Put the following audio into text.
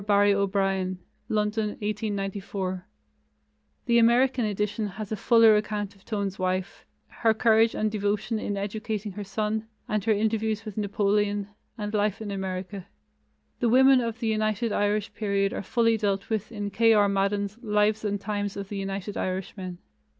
Barry O'Brien (London, 1894). The American edition has a fuller account of Tone's wife, her courage and devotion in educating her son, and her interviews with Napoleon, and life in America. The women of the United Irish period are fully dealt with in K. R. Madden's Lives and Times of the United Irishmen.